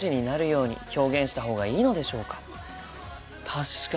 確かに。